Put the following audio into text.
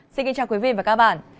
xin kính chào quý vị và các bạn